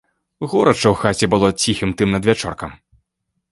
Горача ў хаце было ціхім тым надвячоркам.